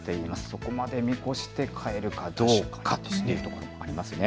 そこまで見越して飼えるかどうかというところもありますね。